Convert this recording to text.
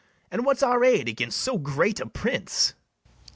And what's our aid against so great a prince?